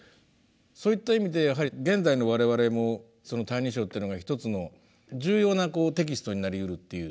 そういった意味で現代の我々もその「歎異抄」っていうのが一つの重要なテキストになりうるっていうふうに考えてよろしいんでしょうか。